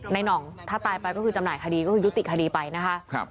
หน่องถ้าตายไปก็คือจำหน่ายคดีก็คือยุติคดีไปนะคะ